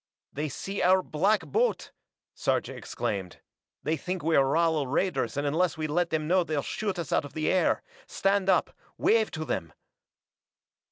"They see our black boat!" Sarja exclaimed. "They think we're Rala raiders and unless we let them know they'll shoot us out of the air! Stand up wave to them